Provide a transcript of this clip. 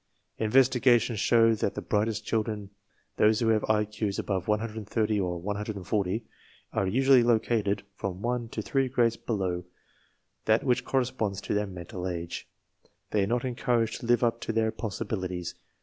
Inves tigations show that the brightest childre n, those who ^have IQ*s above 130 or 140 a are usually locatedjfrom one to three grades below that which corresponds to . "their mental age. They are not encouraged to live up to their possibilities.